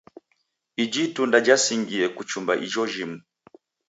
Iji itunda jasingie kuchumba ijo jimu.